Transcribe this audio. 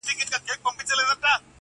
دلته تم سه چي بېړۍ دي را رسیږي٫